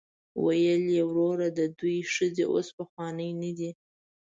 ویل یې وروره د دوی ښځې اوس پخوانۍ نه دي.